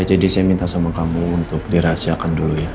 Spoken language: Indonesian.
ya jadi saya minta sama kamu untuk dirahasiakan dulu ya